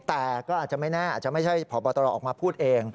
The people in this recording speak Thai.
แต่ก็อาจจะไม่แน่อาจจะไม่ใช่พบตรออกมาพูดเอง